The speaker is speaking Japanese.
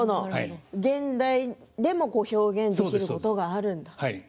現代でも表現できることがあるんだと。